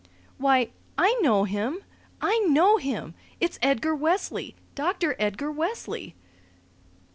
"Why, I know him! I know him! It's Edgar Wesley! Doctor Edgar Wesley!"